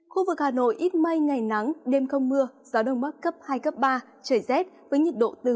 khu vực hà nội ít mây ngày nắng đêm không mưa gió đông bắc cấp hai cấp ba trời rét với nhiệt độ từ một mươi bốn hai mươi ba độ